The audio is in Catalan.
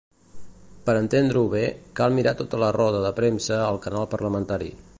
Per entendre-ho bé, cal mirar tota la roda de premsa al canal parlamentari.